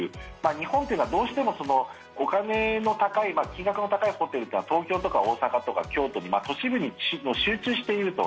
日本というのはどうしてもお金の高い金額の高いホテルっていうのは東京とか大阪とか京都に都市部に集中していると。